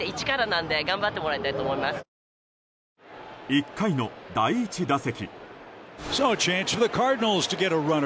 １回の第１打席。